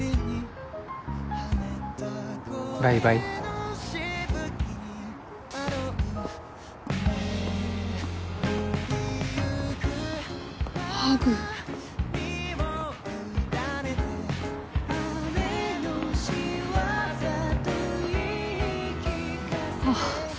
バイバイハグあ